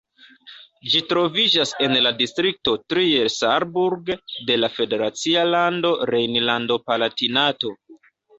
Ĝi troviĝas en la distrikto Trier-Saarburg de la federacia lando Rejnlando-Palatinato.